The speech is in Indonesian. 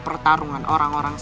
tapi aku harus menang